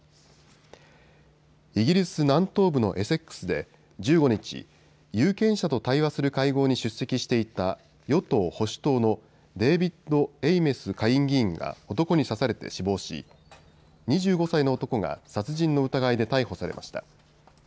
イギリス南東部のエセックスで１５日、有権者と対話する会合に出席していた与党保守党のデービッド・エイメス下院議員が男に刺されて死亡し２５歳の男が殺人の疑いで逮捕されました。